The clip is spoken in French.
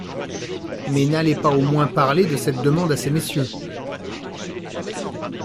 Mais n’allez pas au moins parler de cette demande à ces messieurs.